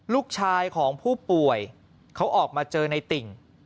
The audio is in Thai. ลูกชายของผู้ป่วยเขาออกมาเจอในติ่ง